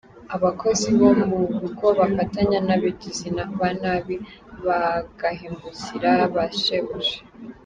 Abakozi bo mu rugo bafatanya n’abagizi ba nabi bagahemukira ba shebuja.